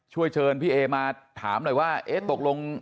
ช่วยเชิญพี่เอมาถามหน่อยว่าเอ๊ะตกลง